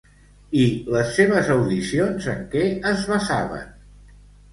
I les seves audicions en què es basaven?